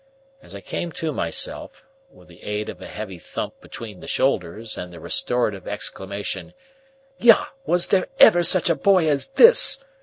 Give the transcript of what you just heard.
As I came to myself (with the aid of a heavy thump between the shoulders, and the restorative exclamation "Yah! Was there ever such a boy as this!"